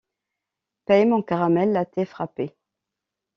Paye mon caramel latté frappé.